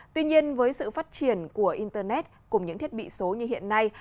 tuy nhiên với sự phát triển của internet cùng những thiết bị số như hiện nay